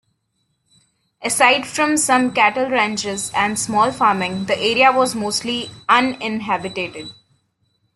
Aside from some cattle ranches and small farming, the area was mostly uninhabited.